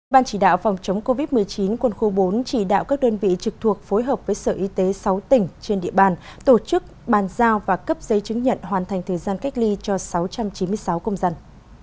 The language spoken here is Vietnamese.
ban chỉ đạo phòng chống covid một mươi chín quân khu bốn chỉ đạo các đơn vị trực thuộc phối hợp với sở y tế sáu tỉnh trên địa bàn tổ chức bàn giao và cấp giấy chứng nhận hoàn thành thời gian cách ly cho sáu trăm chín mươi sáu công dân